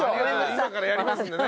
今からやりますんでね。